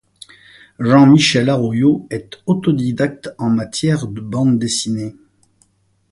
Jean-Michel Arroyo est autodidacte en matière de bande dessinée.